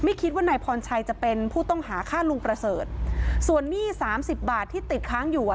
คิดว่านายพรชัยจะเป็นผู้ต้องหาฆ่าลุงประเสริฐส่วนหนี้สามสิบบาทที่ติดค้างอยู่อ่ะ